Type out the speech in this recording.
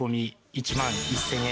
１万１０００円！？